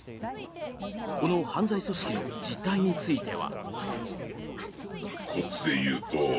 この犯罪組織の実態については。